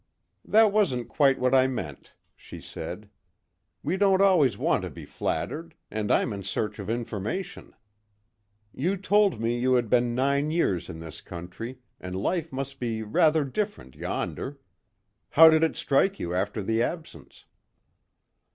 "That wasn't quite what I meant," she said. "We don't always want to be flattered, and I'm in search of information. You told me you had been nine years in this country, and life must be rather different yonder. How did it strike you after the absence?"